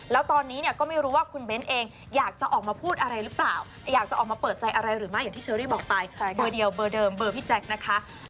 แล้วตอนนี้เนี่ยก็ไม่รู้ว่าคุณเบ้นเองอยากจะออกมาพูดอะไรหรือเปล่าอยากจะออกมาเปิดใจอะไรหรือไม่อย่างที่เชอรี่บอกไปเบอร์เดียวเบอร์เดิมเบอร์พี่แจ๊คนะคะ